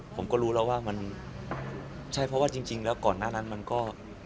ผมก็รู้แล้วว่ามันใช่เพราะว่าจริงแล้วก่อนหน้านั้นมันก็